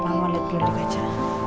lama lihat dulu di kaca